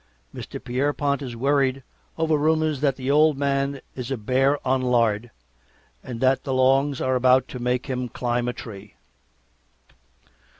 Mr. Pierrepont is worried over rumors that the old man is a bear on lard, and that the longs are about to make him climb a tree.